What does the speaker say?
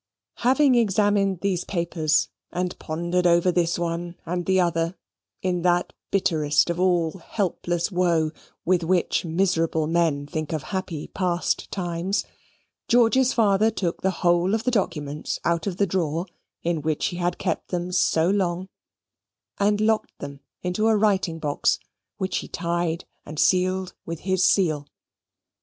Having examined these papers, and pondered over this one and the other, in that bitterest of all helpless woe, with which miserable men think of happy past times George's father took the whole of the documents out of the drawer in which he had kept them so long, and locked them into a writing box, which he tied, and sealed with his seal.